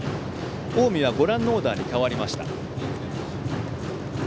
近江は、オーダーが変わりました。